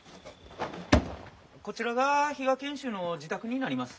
・こちらが比嘉賢秀の自宅になります。